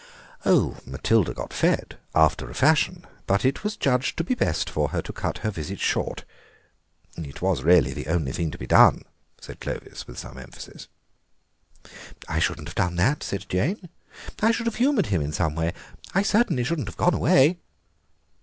"Oh, Matilda got fed, after a fashion, but it was judged to be best for her to cut her visit short. It was really the only thing to be done," said Clovis with some emphasis. "I shouldn't have done that," said Jane, "I should have humoured him in some way. I certainly shouldn't have gone away."